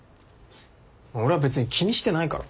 俺は別に気にしてないから。